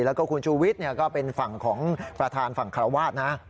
แล้วก็คุณชูวิทย์ก็เป็นฝั่งของประธานฝั่งคาราวาสนะ